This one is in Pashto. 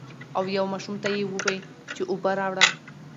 او يو ماشوم ته يې ووې چې اوبۀ راوړه ـ